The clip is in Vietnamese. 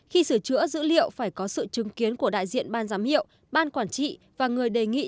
khi sửa chữa dữ liệu phải có sự chứng kiến của đại diện ban giám hiệu ban quản trị và người đề nghị